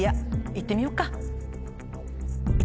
行ってみよっか。